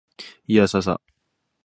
いーやーさーさ